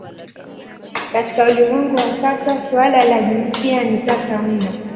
Katika ulimwengu wa sasa suala la jinsia ni tata mno.